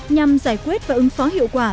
nhằm giải quyết và ứng phó hiệu quả